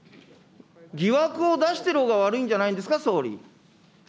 疑惑を出してるほうが悪いんじゃないですか、総理。